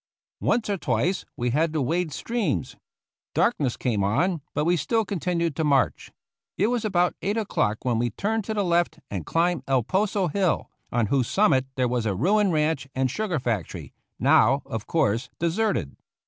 Once or twice we had to wade streams. Dark ness came on, but we still continued to march. It was about eight o'clock when we turned to the left and climbed El Poso hill, on whose summit there was a ruined ranch and sugar factory, now, of course, deserted.